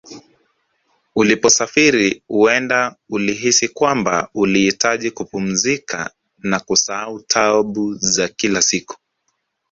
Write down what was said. Uliposafiri huenda ulihisi kwamba ulihitaji kupumzika na kusahau taabu za kila siku